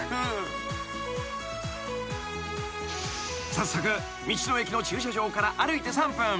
［早速道の駅の駐車場から歩いて３分］